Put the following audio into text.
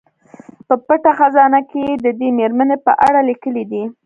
په پټه خزانه کې یې د دې میرمنې په اړه لیکلي دي.